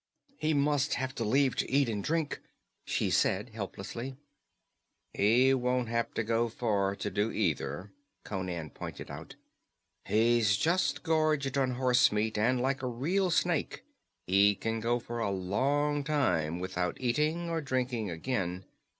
"He must leave to eat and drink," she said helplessly. "He won't have to go far to do either," Conan pointed out. "He's just gorged on horse meat, and like a real snake, he can go for a long time without eating or drinking again.